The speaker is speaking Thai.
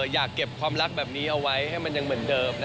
อยากเก็บความลักษณ์แบบนี้เอาไว้ให้มันหยุดเหมือนเดิมนะฮะ